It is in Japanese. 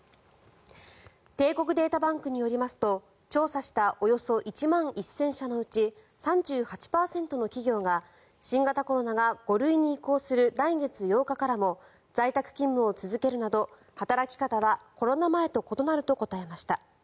帝国データバンクによりますと調査したおよそ１万１０００社のうち３８％の企業が新型コロナが５類に移行する来月８日からも在宅勤務を続けるなど働き方はコロナ前と異なると答えました。